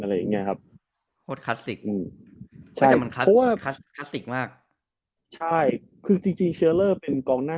แล้วก็